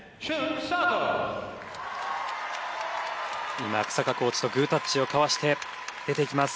今日下コーチとグータッチを交わして出ていきます。